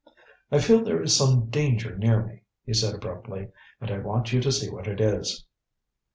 "I feel there is some danger near me," he said abruptly, "and I want you to see what it is."